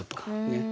ねっ。